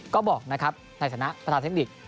ก็บอกในฐานะประธาเทคนิค